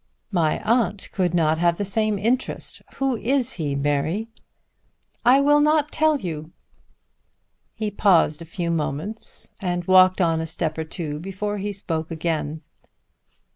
"My aunt could not have the same interest. Who is he, Mary?" "I will not tell you." He paused a few moments and walked on a step or two before he spoke again.